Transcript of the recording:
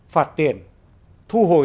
phạt tiền thu hồi